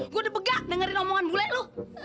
gue udah begak dengerin omongan bule lu